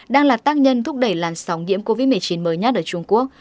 đang là tác nhân thúc đẩy làn sóng nhiễm covid một mươi chín mới nhất ở trung quốc